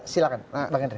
silakan pak yandri